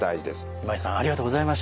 今井さんありがとうございました。